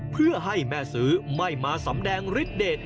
เพื่อให้แม่ซื้อไม่มาสำแดงฤทธเดท